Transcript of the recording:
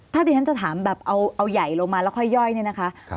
ถ้าที่ฉันจะถามแบบเอาใหญ่ลงมาแล้วค่อยย่อยเนี่ยนะคะ